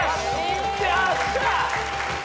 よっしゃ！